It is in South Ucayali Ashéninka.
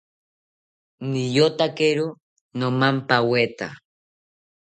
Niyotakiro nomampaweta